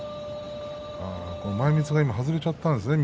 前みつが外れちゃったんですね